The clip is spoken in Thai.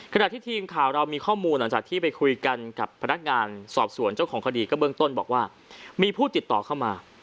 ขณะที่ทีมข่าวเรามีข้อมูลหลังจากที่ไปคุยกันกับพนักงานสอบสวนเจ้าของคดีก็เบื้องต้นบอกว่ามีผู้ติดต่อเข้ามา